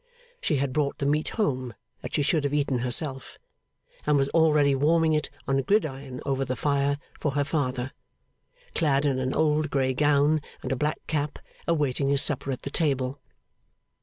She had brought the meat home that she should have eaten herself, and was already warming it on a gridiron over the fire for her father, clad in an old grey gown and a black cap, awaiting his supper at the table.